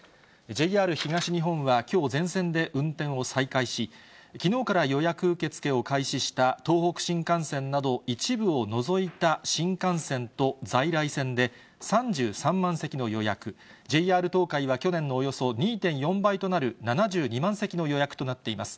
ＪＲ東日本はきょう、全線で運転を再開し、きのうから予約受け付けを開始した東北新幹線など一部を除いた新幹線と在来線で、３３万席の予約、ＪＲ東海は去年のおよそ２．４倍となる７２万席の予約となっています。